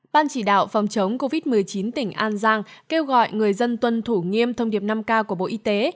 ban chỉ đạo phòng chống covid một mươi chín tỉnh an giang kêu gọi người dân tuân thủ nghiêm thông điệp năm k của bộ y tế